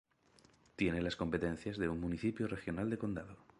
Tiene las competencias de un municipio regional de condado.